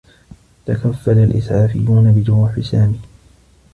تكفّل الإسعافيّون بجروح سامي.